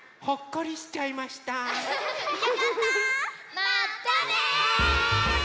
まったね！